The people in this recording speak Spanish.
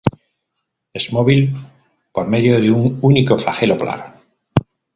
Es móvil por medio de un único flagelo polar.